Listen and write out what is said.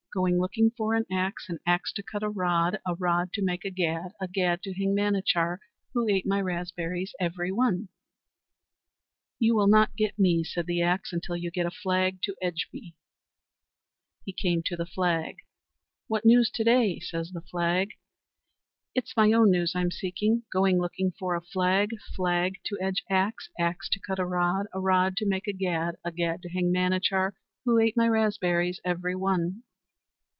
Going looking for an axe, an axe to cut a rod, a rod to make a gad, a gad to hang Manachar, who ate my raspberries every one." "You will not get me," said the axe, "until you get a flag to edge me." He came to the flag. "What news to day?" says the flag. "It's my own news I'm seeking. Going looking for a flag, flag to edge axe, axe to cut a rod, a rod to make a gad, a gad to hang Manachar, who ate my raspberries every one."